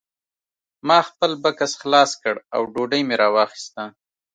ما خپل بکس خلاص کړ او ډوډۍ مې راواخیسته